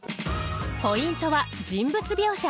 ポイントは「人物描写」。